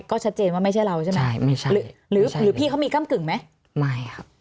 ก็ชัดเจนว่าไม่ใช่เราใช่ไหมใช่ไม่ใช่หรือพี่เขามีกำกึ่งไหมไม่ครับ